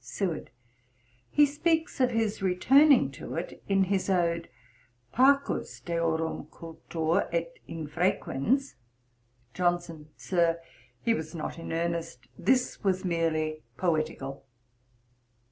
SEWARD. 'He speaks of his returning to it, in his Ode Parcus Deorum cultor et infrequens JOHNSON. 'Sir, he was not in earnest: this was merely poetical.'